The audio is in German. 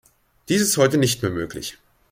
Dies ist heute nicht mehr möglich.